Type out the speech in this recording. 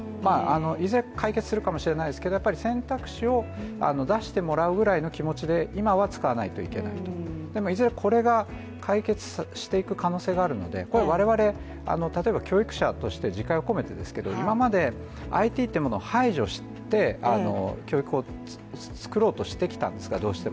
いずれ解決するかもしれないですけど選択肢を出してもらうぐらいの気持ちで今は使わないといけないと、でもいずれこれが解決していく可能性があるのでこれは我々、例えば教育者として自戒を込めてですけど、今までＩＴというものを排除して、教育を作ろうとしてきたんですが、どうしても。